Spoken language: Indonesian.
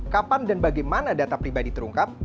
kapan dan bagaimana data pribadi terungkap